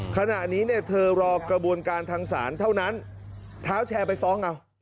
ขณะนี้เนี่ยเธอรอกระบวนการทางศาลเท่านั้นเท้าแชร์ไปฟ้องเอา